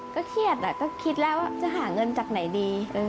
ก็เครียดก็คิดแล้วว่าจะหาเงินจากไหนดี